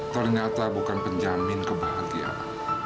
ternyata bukan penjamin kebahagiaan